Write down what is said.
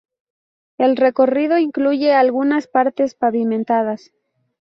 El recorrido incluye algunas partes pavimentadas.